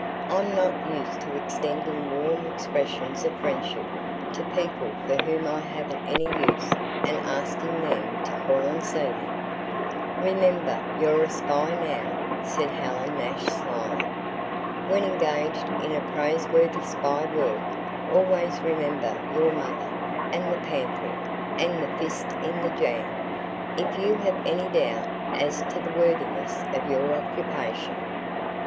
"I'm not used to extending warm expressions of friendship to people for whom I haven't any use and asking them to call and see me." "Remember you're a spy now," said Helen Nash slyly. "When engaged in a praiseworthy spy work, always remember your mother and the pantry and the fist in the jam, if you have any doubt as to the worthiness of your occupation."